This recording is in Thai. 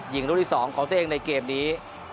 รุ่นที่๒ของตัวเองในเกมนี้